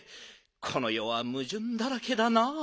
このよはむじゅんだらけだなあ。